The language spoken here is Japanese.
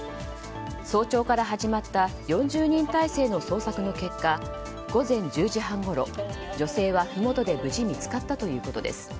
早朝から始まった４０人態勢の捜索の結果午前１０時半ごろ女性はふもとで無事見つかったということです。